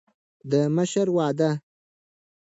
د مشر وعده